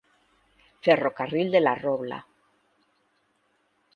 Ferrocarril de La Robla.